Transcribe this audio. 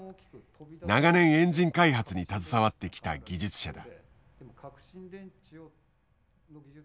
長年エンジン開発に携わってきた技術者だ。